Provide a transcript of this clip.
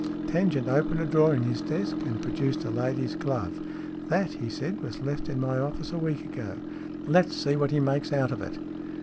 Tangent opened a drawer in his desk, and pro duced a lady's glove. " That," he said, " was left in my office a week ago. Let's see what he makes out of it."